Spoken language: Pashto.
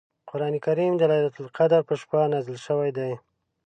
قران کریم د لیلة القدر په شپه نازل شوی دی .